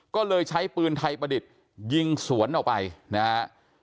ก็เลยใช้ปืนไทยประดิษฐ์ยิงสวนออกไปนะฮะ